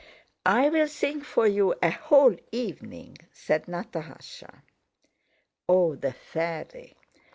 "I'll sing for you a whole evening," said Natásha. "Oh, the faiwy!